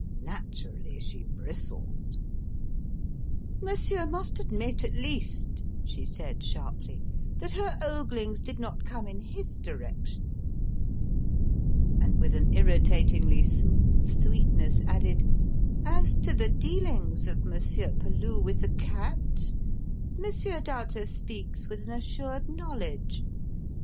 Naturally, she bristled. "Monsieur must admit at least," she said sharply, "that her oglings did not come in his direction;" and with an irritatingly smooth sweetness added: "As to the dealings of Monsieur Peloux with the cat, Monsieur doubtless speaks with an assured knowledge.